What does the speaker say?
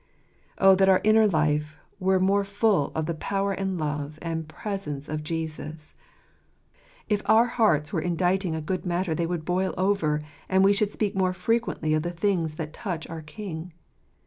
Oh that our inner life were more full of the power and love and presence of Jesus ! If our hearts were inditing a good matter they would boil over, and we should speak more frequently of the things that touch our King.